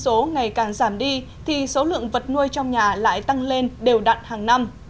số ngày càng giảm đi thì số lượng vật nuôi trong nhà lại tăng lên đều đặn hàng năm